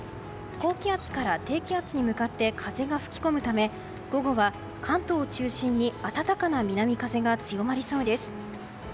高気圧から低気圧に向かって風が吹き込むため午後は関東を中心に暖かな南風が強まりそうです。